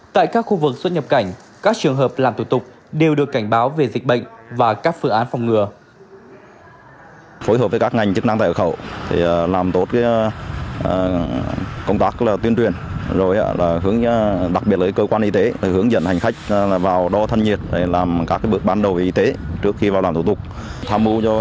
tại các khu vực xuất nhập cảnh các trường hợp làm thủ tục đều được cảnh báo về dịch bệnh và các phương án phòng ngừa